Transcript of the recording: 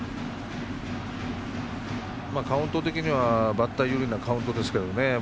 カウント的にはバッター有利なカウントですけどね。